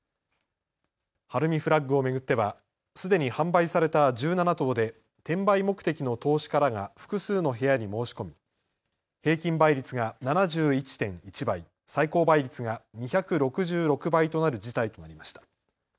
晴海フラッグを巡ってはすでに販売された１７棟で転売目的の投資家らが複数の部屋に申し込み平均倍率が７１．１倍、最高倍率が２６６倍となる事態となりました。